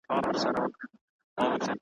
چي به پورته د غوايی سولې رمباړي ,